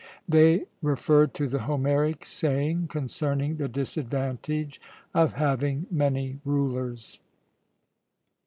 They referred to the Homeric saying concerning the disadvantage of having many rulers.